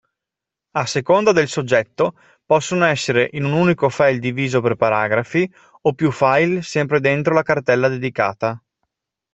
A seconda del soggetto possono essere in un unico file diviso per paragrafi o più file sempre dentro la cartella dedicata.